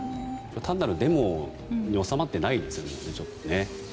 単なるデモに収まっていないでうしょね。